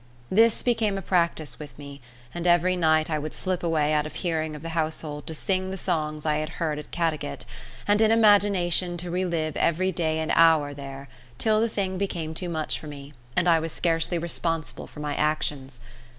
This became a practice with me, and every night I would slip away out of hearing of the household to sing the songs I had heard at Caddagat, and in imagination to relive every day and hour there, till the thing became too much for me, and I was scarcely responsible for my actions.